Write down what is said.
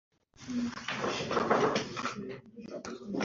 b gushyiraho amategeko ngenga